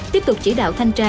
tiếp tục chỉ đạo thanh tra